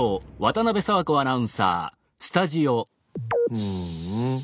うん。